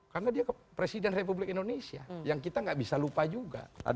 karena dia presiden republik indonesia yang kita nggak bisa lupa juga